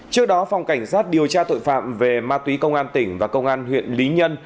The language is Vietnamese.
trước đó phòng cảnh sát điều tra tội phạm về ma túy công an tỉnh và công an huyện lý nhân